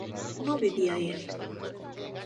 ¿no vivía él?